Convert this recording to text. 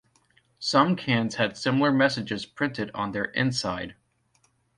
Some cans had similar messages printed on their inside.